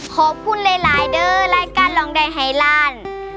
ขอบคุณหลายเด้อรายการร้องได้ให้ล้าน